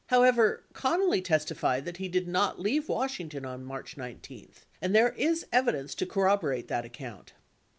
However, Connally testified that he did not leave Washington on March 19, 63 and there is evidence to corrob orate that account.